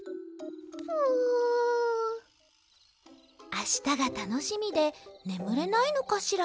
あしたがたのしみでねむれないのかしら？